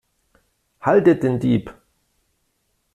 Haltet den Dieb!